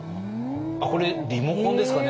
あっこれリモコンですかね？